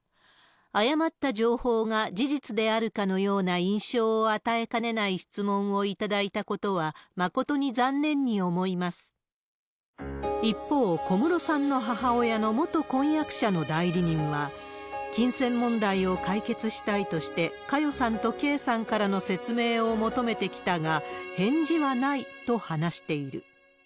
誤った情報が事実であるかのような印象を与えかねない質問をいただいたことは、一方、小室さんの母親の元婚約者の代理人は、金銭問題を解決したいとして、佳代さんと圭さんからの説明を求めてきたが、返事はないと話している。